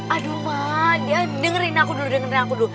aduh ma dengerin aku dulu